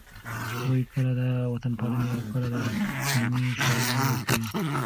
هغوی کله د وطنپالنې او کله د دښمنۍ شعارونه ورکوي.